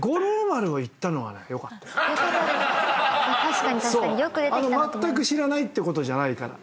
まったく知らないってことじゃないから。